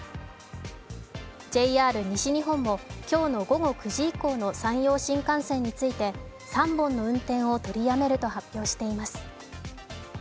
ＪＲ西日本も今日の午後９時以降の山陽新幹線について３本の運転を取りやめると発表しています。